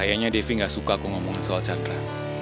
kayaknya devi nggak suka aku ngomongin soal chandra